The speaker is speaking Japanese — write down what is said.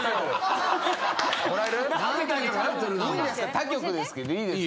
他局ですけどいいですか？